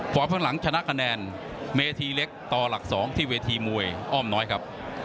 ข้างหลังชนะคะแนนเมธีเล็กต่อหลัก๒ที่เวทีมวยอ้อมน้อยครับ